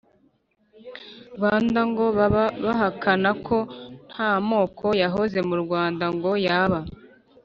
rwanda ngo baba bahakana ko nta moko yahoze mu rwanda, ngo yaba